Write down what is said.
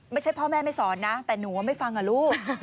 ไม่ใช่พ่อแม่ไม่สอนนะแต่หนูไม่ฟังอะลูก